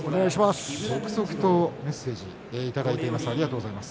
続々とメッセージが届いています。